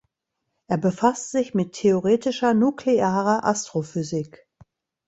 Er befasst sich mit theoretischer nuklearer Astrophysik.